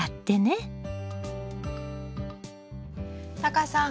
タカさん